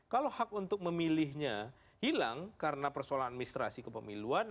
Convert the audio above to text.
kalau hak untuk memilihnya hilang karena persoalan administrasi kepemiluan